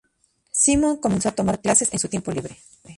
Simone comenzó a tomar clases en su tiempo libre.